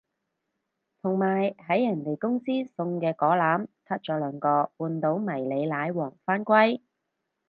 同埋喺人哋公司送嘅嗰籃撻咗兩個半島迷你奶黃返歸